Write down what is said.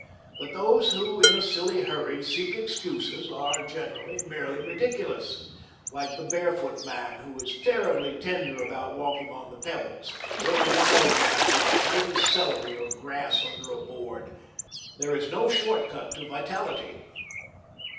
But those who in a silly hurry seek excuses, are generally merely ridiculous, like the barefoot man who is terribly tender about walking on the pebbles, or the wild man who is white as celery or grass under a board. There is no short cut to vitality.